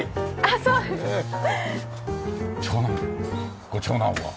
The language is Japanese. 長男ご長男は？